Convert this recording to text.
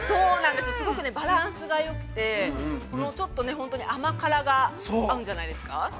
すごくバランスがよくて、ちょっと本当に甘辛が、合うんじゃないですか。